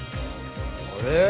あれ？